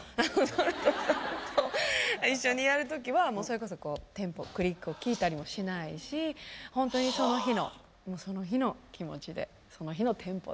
そう一緒にやる時はそれこそテンポクリックを聞いたりもしないしホントにその日のその日の気持ちでその日のテンポで。